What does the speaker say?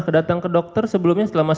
datang ke dokter sebelumnya selama